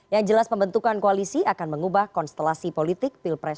yang jelas pembentukan koalisi akan mengubah konstelasi politik pilpres dua ribu sembilan belas